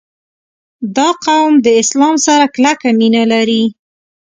• دا قوم د اسلام سره کلکه مینه لري.